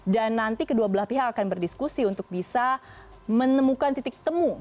dan nanti kedua belah pihak akan berdiskusi untuk bisa menemukan titik temu